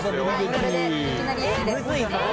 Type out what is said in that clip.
これでいきなり１位です。